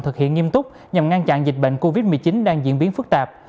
thực hiện nghiêm túc nhằm ngăn chặn dịch bệnh covid một mươi chín đang diễn biến phức tạp